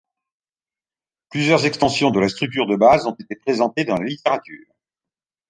Plusieurs extensions de la structure de base ont été présentées dans la littérature.